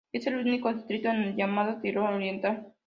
Es el único distrito en el llamado Tirol Oriental.